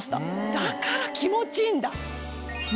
だから気持ちいいんだ。